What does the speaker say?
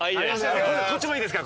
こっちもいいですか？